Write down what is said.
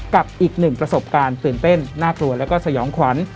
กับอีกหนึ่งประสบการณ์ตื่นเต้นน่ากลัวแล้วก็สยองขวัญ